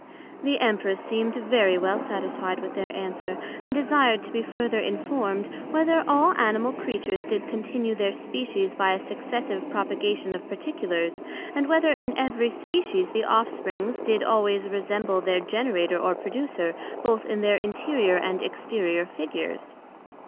The Empress seem'd very well satisfied with their answer, and desired to be further informed, Whether all Animal Creatures did continue their Species by a successive propogation of particulars, and whether in every Species the off springs did always resemble their Generator or Producer, both in their interior and exterior Figures?